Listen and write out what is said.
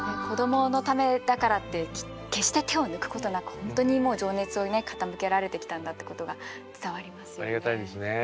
子どものためだからって決して手を抜くことなくほんとに情熱をね傾けられてきたんだってことが伝わりますよね。